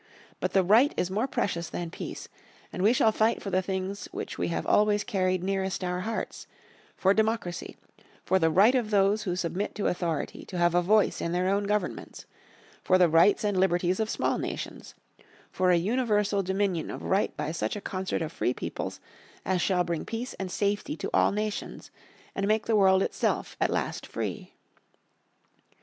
But the right is more precious than peace, and we shall fight for the things which we have always carried nearest our hearts for democracy, for the right of those who submit to authority to have a voice in their own governments, for the rights and liberties of small nations, for a universal dominion of right by such a concert of free peoples as shall bring peace and safety to all nations, and make the world itself at last free.